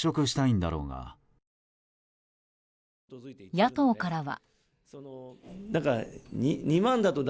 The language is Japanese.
野党からは。